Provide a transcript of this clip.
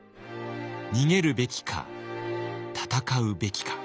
逃げるべきか戦うべきか。